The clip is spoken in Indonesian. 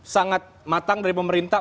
sangat matang dari pemerintah